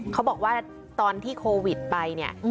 เขาบอกว่าตอนที่โควิดไปเนี่ย